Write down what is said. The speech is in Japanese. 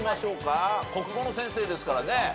国語の先生ですからね。